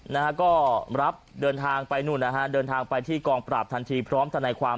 นะฮะก็รับเดินทางไปที่กองปราบทันทีพร้อมท่านนายความ